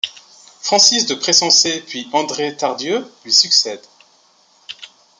Francis de Pressensé puis André Tardieu lui succèdent.